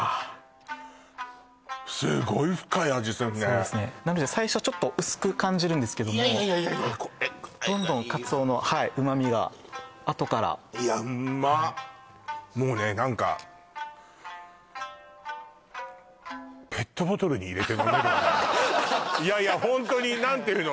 そうですねなので最初ちょっと薄く感じるんですけどもいやいやいやこれくらいがいいどんどんカツオの旨みがあとからいやうんまっもうね何かいやいやホントに何ていうの？